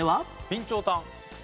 備長炭。